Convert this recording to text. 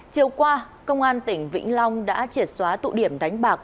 chiều qua công an tỉnh vĩnh long đã triệt xóa tụ điểm đánh bạc